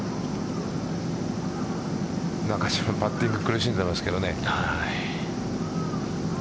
中島、パッティング苦しんでますけどね。